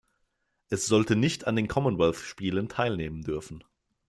Es sollte nicht an den Commonwealth-Spielen teilnehmen dürfen.